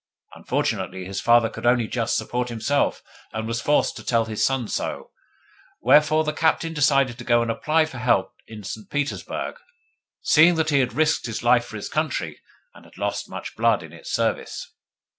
Unfortunately his father could only just support himself, and was forced to tell his son so; wherefore the Captain decided to go and apply for help in St. Petersburg, seeing that he had risked his life for his country, and had lost much blood in its service.